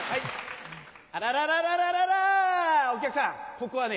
ここはね